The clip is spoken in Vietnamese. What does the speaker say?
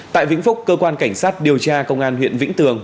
tại vĩnh phúc cơ quan cảnh sát điều tra công an huyện vĩnh tường